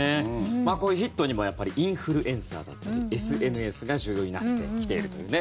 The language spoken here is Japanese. こういうヒットにもインフルエンサーだったりＳＮＳが重要になってきているというね。